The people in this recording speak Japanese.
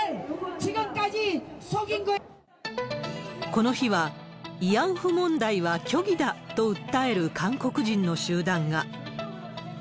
この日は、慰安婦問題は虚偽だと訴える韓国人の集団が。